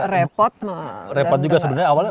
repot repot juga sebenarnya